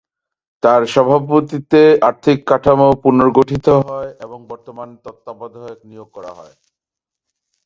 তাঁর সভাপতিত্বে আর্থিক কাঠামো পুনর্গঠিত হয় এবং বর্তমান তত্ত্বাবধায়ক নিয়োগ করা হয়।